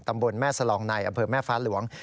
ตำบลแม่สลองในอำเภอแม่ฟ้าหลวง